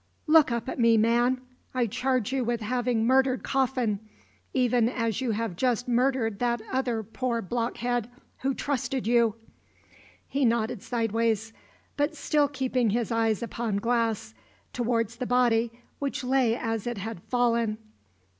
Look up at me, man! I charge you with having murdered Coffin, even as you have just murdered that other poor blockhead who trusted you." He nodded sideways but still keeping his eyes upon Glass towards the body, which lay as it had fallen.